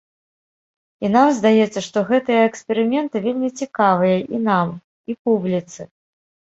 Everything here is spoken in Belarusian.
І нам здаецца, што гэтыя эксперыменты вельмі цікавыя і нам, і публіцы.